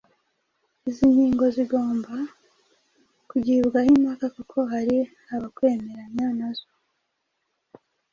Izi ngingo zigomba kugibwaho impaka kuko hari abakwemeranya na zo,